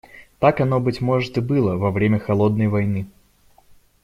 Так оно, быть может, и было во время "холодной войны".